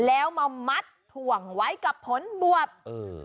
แล้วมามัดถ่วงไว้กับผลบวบเออ